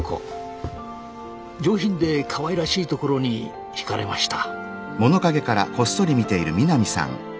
上品でかわいらしいところに惹かれました。